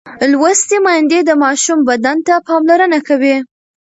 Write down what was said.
لوستې میندې د ماشوم بدن ته پاملرنه کوي.